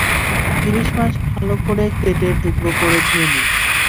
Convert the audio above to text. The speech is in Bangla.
ইলিশ মাছ ভালো করে কেটে টুকরো করে ধুয়ে নিন।